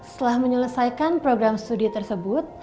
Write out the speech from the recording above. setelah menyelesaikan program studi tersebut